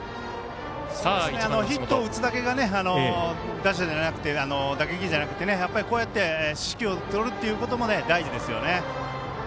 ヒットを打つだけが打撃じゃなくて、こうやって四死球をとるということも大事ですよね。